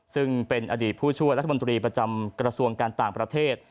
ซึ่งเป็นอดีตผู้ช่วยรัฐมนตรีประจำกระทรวงการต่างประเทศ